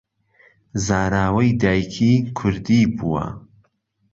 زاراوەی دایکی کوردی بووە